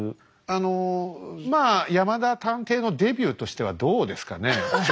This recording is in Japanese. あのまあ山田探偵のデビューとしてはどうですかね副所長。